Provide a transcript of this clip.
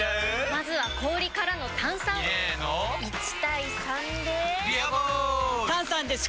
まずは氷からの炭酸！入れの１：３で「ビアボール」！